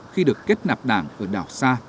khi được kết nạp đảng ở đảo xa